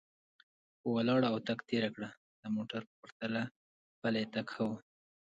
په ولاړه او تګ تېره کړه، د موټر په پرتله پلی تګ ښه و.